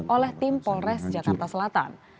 oleh tim polres jakarta selatan